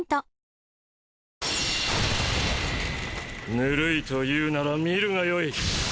ぬるいと言うなら見るがよい。